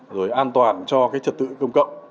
rồi an toàn cho trật tự công cộng